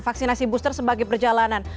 vaksinasi booster sebagai perjalanan